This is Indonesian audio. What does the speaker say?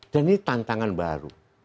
dan ini tantangan baru